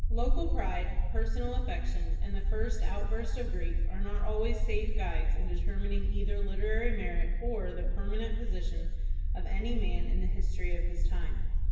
Local pride, personal affection, and the first outburst of grief are not always safe guides in determining either literary merit or the permanent position of any man in the history of his time.